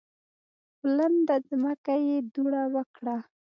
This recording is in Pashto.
په لنده ځمکه یې دوړه وکړه.